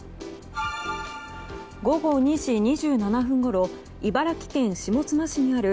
午後２時２７分ごろ茨城県下妻市にある